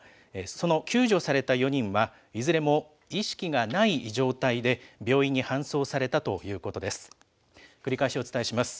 その救助された４人は、いずれも意識がない状態で病院に搬送されたということです。